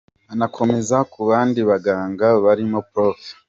Anakomoza ku bandi baganga barimo Prof.